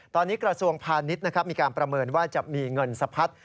ตอนนี้กระทรวงพาณิชย์มีการประเมินว่าจะมีเงินสะพัด